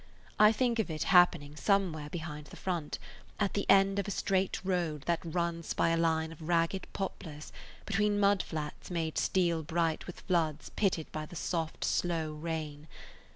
I think of it happening somewhere behind [Page 131] the front, at the end of a straight road that runs by a line of ragged poplars between mud flats made steel bright with floods pitted by the soft, slow rain.